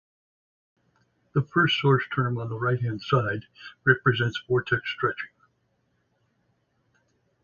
The first source term on the right hand side represents vortex stretching.